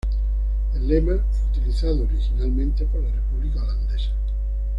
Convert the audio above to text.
El lema fue utilizado originalmente por la República holandesa.